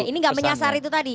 ini nggak menyasar itu tadi